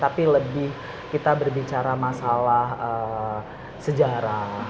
tapi lebih kita berbicara masalah sejarah